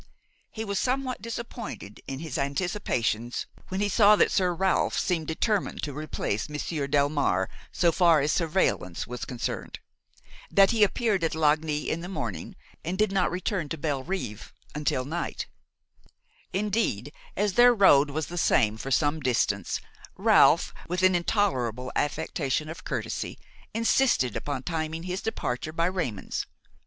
He was somewhat disappointed in his anticipations when he saw that Sir Ralph seemed determined to replace Monsieur Delmare so far as surveillance was concerned, that he appeared at Lagny in the morning and did not return to Bellerive until night; indeed, as their road was the same for some distance, Ralph, with an intolerable affectation of courtesy, insisted upon timing his departure by Raymon's.